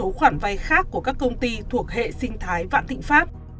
có một số khoản vay khác của các công ty thuộc hệ sinh thái vạn tịnh pháp